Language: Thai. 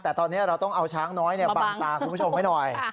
แต่ตอนนี้เราต้องเอาช้างน้อยบังตาคุณผู้ชมให้หน่อย